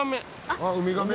あっウミガメ。